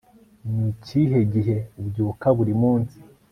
ni ikihe gihe ubyuka buri munsi